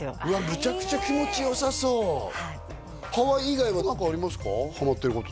むちゃくちゃ気持ちよさそうはいハワイ以外は何かありますか？